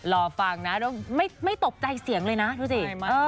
รอฟังนะไม่ตกใจเสียงเลยนะดูสิ